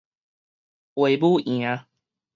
衛武營